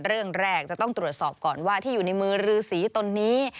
เรื่องแรกจะต้องตรวจสอบก่อนว่าที่อยู่ในมือรือสีตนนี้